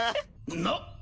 なっ。